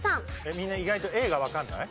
みんな意外とＡがわかんない？